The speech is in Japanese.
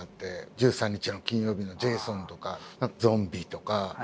「１３日の金曜日」のジェイソンとかゾンビとか。